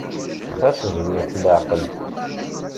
Xas zwiret leɛqel.